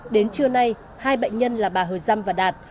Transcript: đến trưa nay hai bệnh nhân là bà hờ dăm và đạt